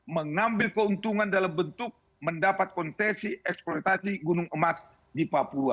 mengambil keuntungan dalam bentuk mendapat konsesi eksploitasi gunung emas di papua